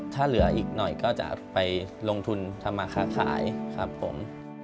ถ้าเหลืออีกหน่อยก็จะไปลงทุนทำมาค้าขายครับผม